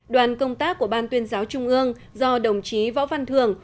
đoàn công tác của ban tuyên giáo trung ương do đồng chí võ văn thường